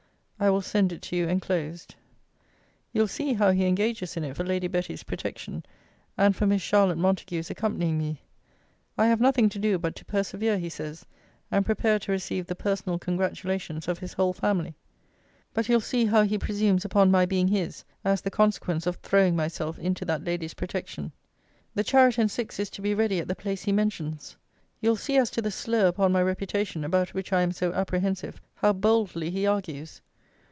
I will send it to you enclosed. You'll see how 'he engages in it for Lady Betty's protection, and for Miss Charlotte Montague's accompanying me. I have nothing to do, but to persevere, he says, and prepare to receive the personal congratulations of his whole family.' But you'll see how he presumes upon my being his, as the consequence of throwing myself into that lady's protection. 'The chariot and six is to be ready at the place he mentions. You'll see as to the slur upon my reputation, about which I am so apprehensive, how boldly he argues.'